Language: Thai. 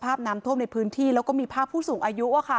ภาพน้ำท่วมในพื้นที่แล้วก็มีภาพผู้สูงอายุ